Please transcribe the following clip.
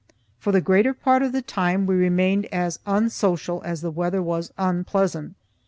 For the greater part of the time we remained as unsocial as the weather was unpleasant.